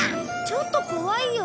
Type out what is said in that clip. ちょっと怖いよ。